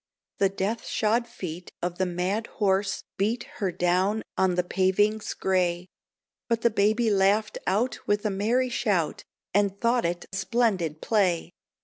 The death shod feet of the mad horse beat Her down on the pavings grey; But the baby laughed out with a merry shout, And thought it splendid play.